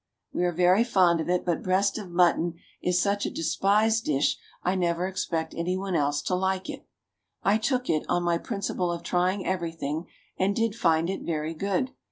We are very fond of it, but breast of mutton is such a despised dish I never expect any one else to like it." I took it, on my principle of trying everything, and did find it very good.